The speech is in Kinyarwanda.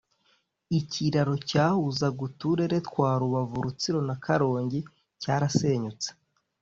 ikiraro cyahuzaga uturere twa Rubavu-Rutsiro na Karongi cyarasenyutse